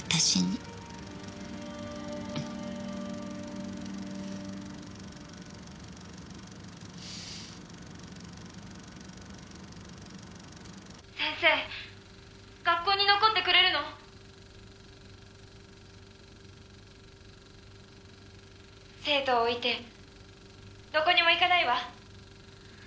「先生学校に残ってくれるの？」「生徒を置いてどこにも行かないわ」